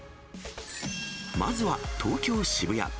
まずは東京・渋谷。